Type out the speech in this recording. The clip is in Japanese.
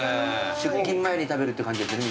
出勤前に食べるって感じですね